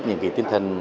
những cái tiên thần